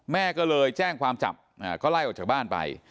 แม่ก็เลยแจ้งความจับก็ไล่ออกจากบ้านไป